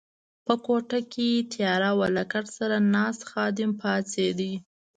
په کوټه کې تیاره وه، له کټ سره ناست خادم پاڅېد.